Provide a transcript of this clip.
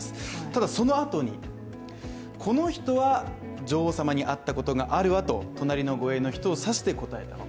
ただそのあとに、この人は女王様に会ったことがあるわと隣の護衛の人をさして答えたと。